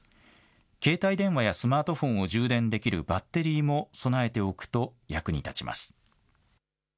携帯電話やスマートフォンを充電できるバッテリーも備えておくと役に立ちます。